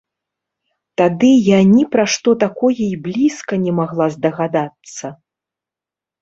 Тады я ні пра што такое і блізка не магла здагадацца.